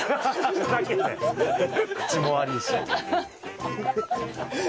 口も悪いし。